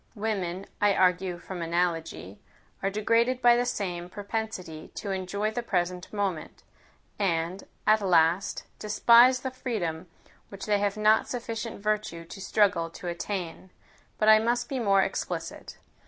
Women, I argue from analogy, are degraded by the same propensity to enjoy the present moment; and, at last, despise the freedom which they have not sufficient virtue to struggle to attain. But I must be more explicit.